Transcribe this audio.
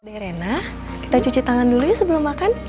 dere nah kita cuci tangan dulu ya sebelum makan